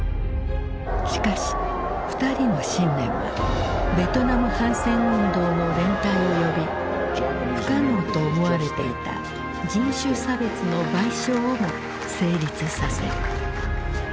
しかし２人の信念はベトナム反戦運動の連帯を呼び不可能と思われていた人種差別の賠償をも成立させる。